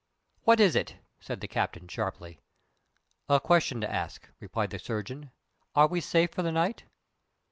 "What is it?" said the captain, sharply. "A question to ask," replied the surgeon. "Are we safe for the night?"